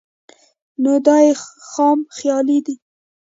نو دا ئې خام خيالي ده